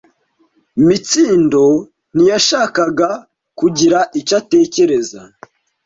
Mitsindo ntiyashakaga kugira icyo atekereza.